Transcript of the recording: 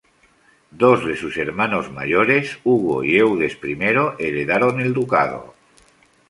Dos de sus hermanos mayores, Hugo y Eudes I, heredaron el ducado.